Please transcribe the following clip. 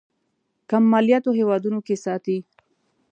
کم مالياتو هېوادونو کې ساتي.